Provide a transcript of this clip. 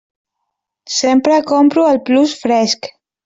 Sempre compro al Plus Fresc.